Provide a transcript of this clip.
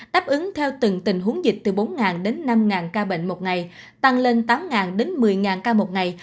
đáp ứng theo từng tình huống dịch từ bốn đến năm ca bệnh một ngày tăng lên tám đến một mươi ca một ngày